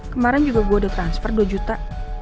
kemarin juga gue udah transfer dua juta